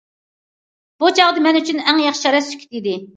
بۇ چاغدا مەن ئۈچۈن ئەڭ ياخشى چارە سۈكۈت ئىدى.